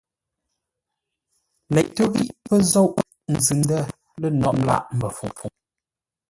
Leʼtə́ ghíʼ pə́ zôʼ nzʉ-ndə̂ lə̂ nôghʼ lâʼ Mbəfuŋ.